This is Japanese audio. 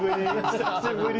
久しぶり。